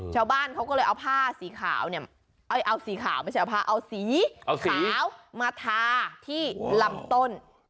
ชาวบ้านเขาก็เลยเอาผ้าสีขาวเนี่ยเอาสีขาวไม่ใช่เอาผ้าเอาสีขาวมาทาที่ลำต้น